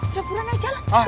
udah buruan aja lah